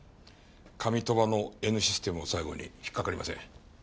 上鳥羽のＮシステムを最後に引っかかりません。